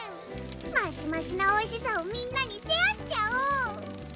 マシマシなおいしさをみんなにシェアしちゃお！